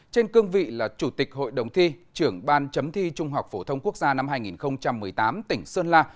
trên cương vị là chủ tịch hội đồng thi trưởng ban chấm thi trung học phổ thông quốc gia năm hai nghìn một mươi tám tỉnh sơn la